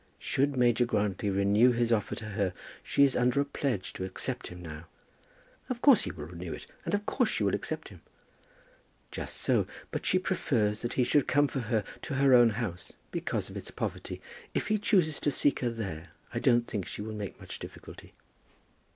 "Should Major Grantly renew his offer to her she is under a pledge to accept him now." "Of course he will renew it, and of course she will accept him." "Just so. But she prefers that he should come for her to her own house, because of its poverty. If he chooses to seek her there, I don't think she will make much difficulty."